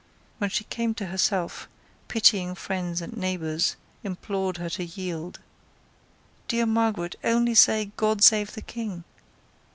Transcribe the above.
When she came to herself, pitying friends and neighbours implored her to yield. "Dear Margaret, only say, God save the King!"